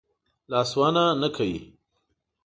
لاس وهنه نه کوي.